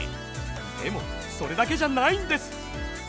でもそれだけじゃないんです。